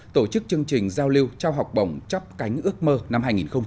tổ chức chương trình giao lưu trao học bổng chắp cánh ước mơ năm hai nghìn một mươi chín